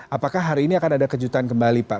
apakah hari ini akan ada kejutan kembali pak